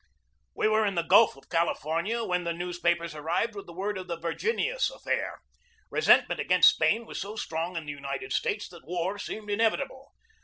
We were in the Gulf of California when the news papers arrived with word of the Virginius affair. Resentment against Spain was so strong in the United States that war seemed inevitable.